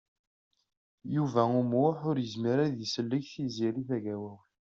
Yuba U Muḥ ur yezmir ara ad d-isellek Tiziri Tagawawt.